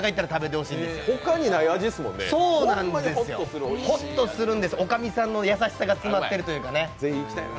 ほっとするんです、おかみさんの優しさが詰まってるというか。